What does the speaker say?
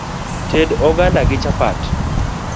Ted oganda gi chapat.